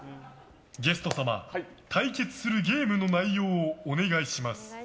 ゲスト様、対決するゲームの内容をお願いします。